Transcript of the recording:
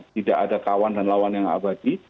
tidak ada kawan dan lawan yang abadi